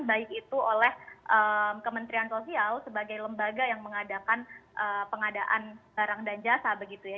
baik itu oleh kementerian sosial sebagai lembaga yang mengadakan pengadaan barang dan jasa begitu ya